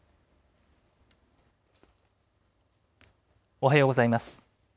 おはようございます。